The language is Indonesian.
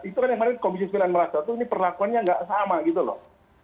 itu kan yang mana komisi tilan merasa tuh ini perlakuannya nggak sama gitu loh